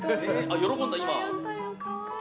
喜んだ、今。